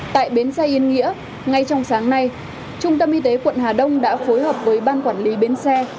tại bến xe yên nghĩa ngay trong sáng nay trung tâm y tế quận hà đông đã phối hợp với ban quản lý bến xe